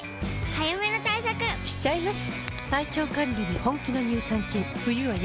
早めの対策しちゃいます。